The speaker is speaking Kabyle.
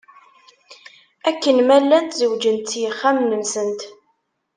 Akken ma llant zewjent s yixxamen-nsent.